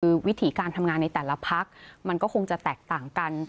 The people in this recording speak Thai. คือวิถีการทำงานในแต่ละพักมันก็คงจะแตกต่างกัน